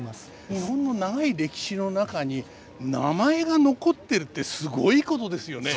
日本の長い歴史の中に名前が残ってるってすごいことですよね。